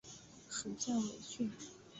属犍为郡。